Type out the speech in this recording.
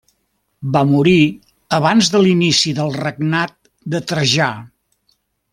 Va morir abans de l'inici del regnat de Trajà.